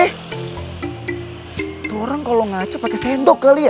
itu orang kalau ngaco pakai sendok kali ya